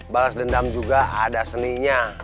balas dendam juga ada seninya